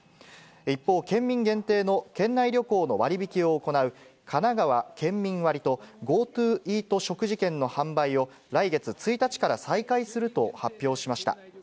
一方、県民限定の県内旅行の割引を行うかながわ県民割と、ＧｏＴｏイート食事券の販売を、来月１日から再開すると発表しました。